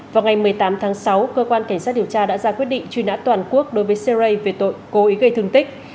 vào ngày một mươi tám tháng sáu cơ quan cảnh sát điều tra đã ra quyết định truy nã toàn quốc đối với seri về tội cố ý gây thương tích